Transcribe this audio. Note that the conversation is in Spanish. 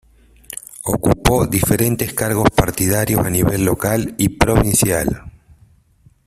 Ocupó diferentes cargos partidarios a nivel local y provincial.